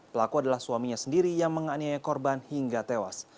pelaku adalah suaminya sendiri yang menganiaya korban hingga tewas